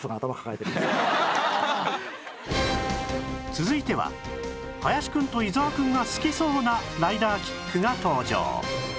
続いては林くんと伊沢くんが好きそうなライダーキックが登場